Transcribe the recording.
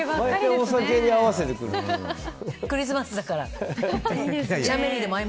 クリスマスだから。